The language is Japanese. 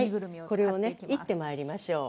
これをねいってまいりましょう。